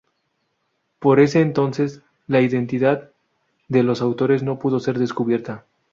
Por ese entonces la identidad de los autores no pudo ser descubierta.